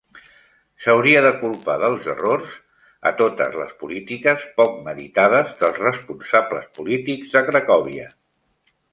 S'hauria de culpar dels errors a totes les polítiques poc meditades dels responsables polítics de Cracòvia.